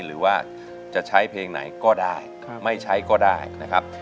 หรือว่าจะใช้เพลงไหนก็ได้ไม่ใช้ก็ได้นะครับ